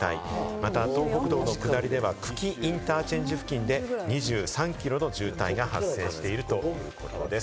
また東北道下りでは久喜インターチェンジ付近で２３キロの渋滞が発生しているということです。